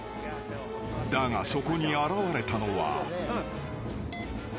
［だがそこに現れたのは］